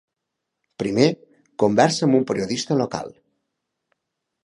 Primer, conversa amb un periodista local.